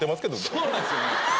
そうなんですよね